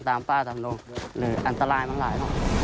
ตามป้าตามโรงหรืออันตรายมากหลาย